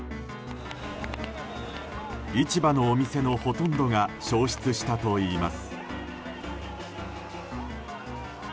市場のお店のほとんどが焼失したといいます。